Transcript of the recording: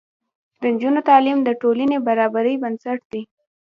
د نجونو تعلیم د ټولنې برابرۍ بنسټ دی.